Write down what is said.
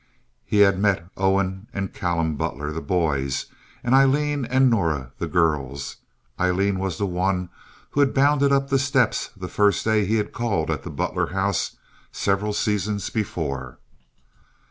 He had met Owen and Callum Butler, the boys, and Aileen and Norah, the girls. Aileen was the one who had bounded up the steps the first day he had called at the Butler house several seasons before.